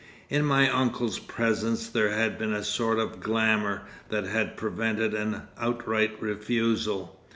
In my uncle's presence there had been a sort of glamour that had prevented an outright refusal.